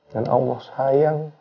dan allah sayang